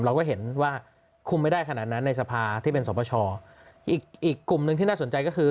เราก็เห็นว่าคุมไม่ได้ขนาดนั้นในสภาที่เป็นสวปชอีกอีกกลุ่มหนึ่งที่น่าสนใจก็คือ